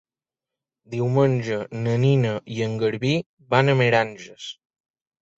Diumenge na Nina i en Garbí van a Meranges.